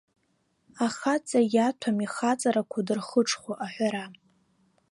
Ахаҵа иаҭәам, ихаҵарақәа дырхыҽхәо аҳәара.